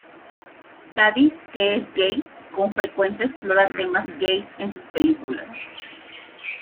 Davies, que es gay, con frecuencia explora temas gais en sus películas.